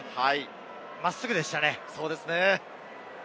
真っすぐでしたね。